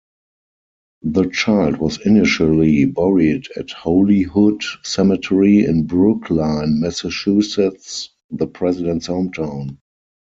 The child was initially buried at Holyhood Cemetery in Brookline, Massachusetts, the president's hometown.